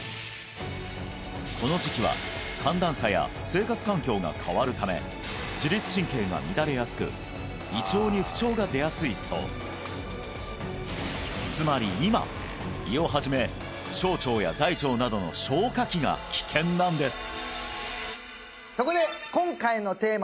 この時期は寒暖差や生活環境が変わるため自律神経が乱れやすく胃腸に不調が出やすいそうつまり今胃をはじめ小腸や大腸などの消化器が危険なんです